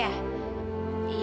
ya yaudah ya